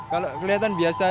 kalau kelihatan biasa saja